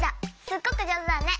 すっごくじょうずだね！